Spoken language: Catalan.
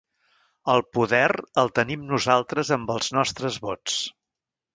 El poder el tenim nosaltres amb els nostres vots.